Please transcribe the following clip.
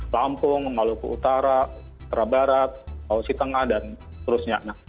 lampung maluku utara terabarat lausi tengah dan seterusnya